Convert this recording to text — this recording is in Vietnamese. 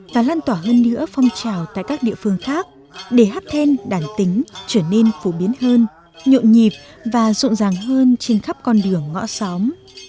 và lan tỏa hơn nữa phong trào tại các địa phương khác để hát then đàn tính trở nên phổ biến hơn nhộn nhịp và rộn ràng hơn trên khắp con đường ngõ xóm